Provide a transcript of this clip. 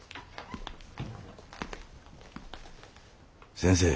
先生。